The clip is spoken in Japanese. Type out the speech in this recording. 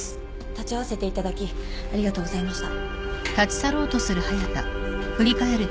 立ち会わせていただきありがとうございました。